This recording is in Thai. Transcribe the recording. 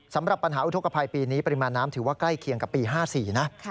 สำหรับปัญหาอุทธกภัยปีนี้ปริมาณน้ำถือว่าใกล้เคียงกับปี๕๔นะ